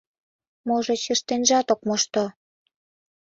— Можыч, ыштенжат ок мошто?